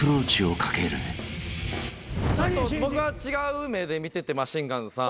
僕は違う目で見ててマシンガンズさん。